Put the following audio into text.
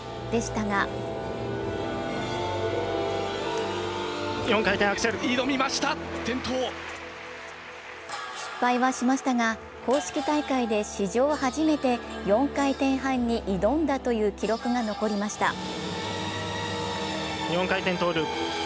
でしたが失敗はしましたが、公式大会で史上初めて４回転半に挑んだという記録が残りました。